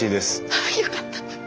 あよかった。